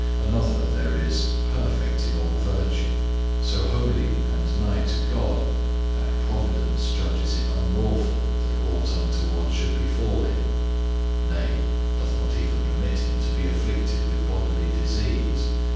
Another there is perfect in all virtue, so holy and nigh to God that providence judges it unlawful that aught untoward should befall him; nay, doth not even permit him to be afflicted with bodily disease.